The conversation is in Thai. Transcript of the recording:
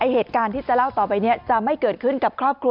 เหตุการณ์ที่จะเล่าต่อไปนี้จะไม่เกิดขึ้นกับครอบครัว